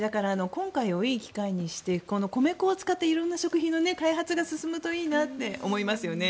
今回をいい機会にして米粉を使った色んな食品の開発が進むといいなと思いますよね。